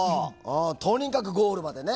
とにかくゴールまでね